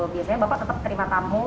biasanya bapak tetap terima tamu